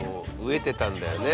飢えてたんだよね。